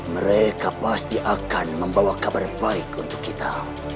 mereka pasti akan membawa kabar baik untuk kita